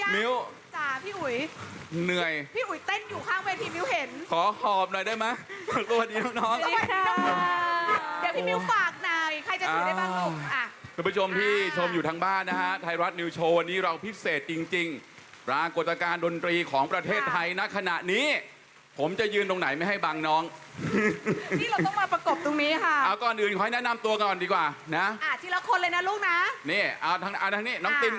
ปุ๊บจ๋าพี่อุ๋ยเต้นอยู่ข้างเวทีมิ้วเห็นขอหอบหน่อยได้ไหมก็ฟัดดีน้องสวัสดีค่ะเดี๋ยวพี่มิ้วฝากหน่อยใครจะถือได้บ้างลุงคุณผู้ชมพี่ชมอยู่ทางบ้านนะฮะไทยรัฐนิวโชว์วันนี้เราพิเศษจริงประกวดการณ์ดนตรีของประเทศไทยนะขณะนี้ผมจะยืนตรงไหนไม่ให้บางน้องนี่เราต้องมาป